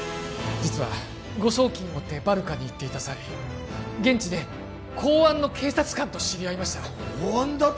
実は誤送金を追ってバルカに行っていた際現地で公安の警察官と知り合いました公安だと！？